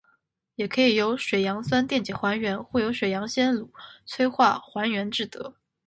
也可以由水杨酸电解还原或由水杨酰卤催化还原制得。